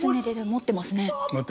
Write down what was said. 持ってます。